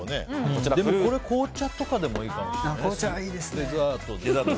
これ紅茶とかでもいいかもしれない。